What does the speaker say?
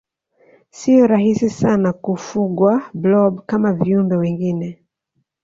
siyo rahisi sana kufugwa blob kama viumbe wengine